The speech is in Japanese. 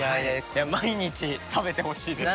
毎日食べてほしいですね。